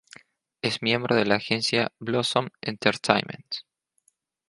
Es miembro de la agencia "Blossom Entertaiment".